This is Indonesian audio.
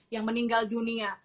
yang meninggal dunia